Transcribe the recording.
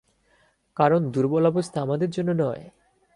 কারণ দুর্বল অবস্থা আমাদের জন্য নয়!